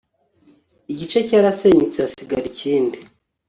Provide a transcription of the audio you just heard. igice cyarasenyutse hasigara ikindi